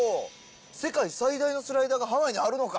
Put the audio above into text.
世界最大のスライダーがハワイにあるのか。